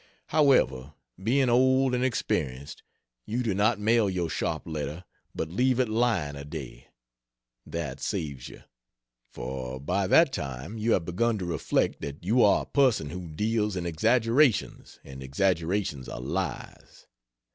However, being old and experienced, you do not mail your sharp letter, but leave it lying a day. That saves you. For by that time you have begun to reflect that you are a person who deals in exaggerations and exaggerations are lies.